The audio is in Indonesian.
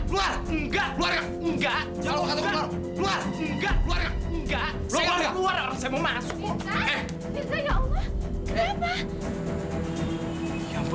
luar kalau kata gue malu